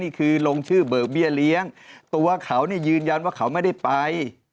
ลงชื่อเบิกเบี้ยเลี้ยงตัวเขายืนยันว่าเขาไม่ได้ไป